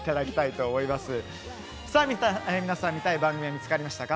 皆さん見たい番組は見つかりましたか？